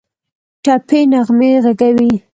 ټپي نغمې ږغوي